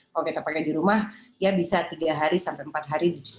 kalau kita pakai di rumah ya bisa tiga hari sampai empat hari dijual